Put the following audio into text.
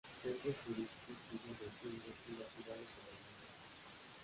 Los centros turísticos siguen creciendo y las ciudades se renuevan.